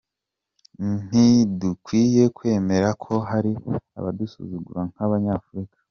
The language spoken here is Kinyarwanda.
Ntidukwiye kwemera ko hari abadusuzugura nk’abanyafurika.